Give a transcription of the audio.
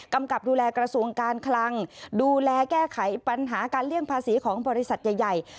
กับดูแลกระทรวงการคลังดูแลแก้ไขปัญหาการเลี่ยงภาษีของบริษัทใหญ่